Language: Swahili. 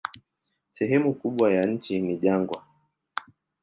Sehemu kubwa ya nchi ni jangwa.